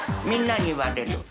みんなに言われる。